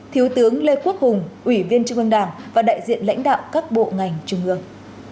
thiếu tướng lê quốc hùng ủy viên trung ương đảng và đại diện lãnh đạo các bộ ngành trung ương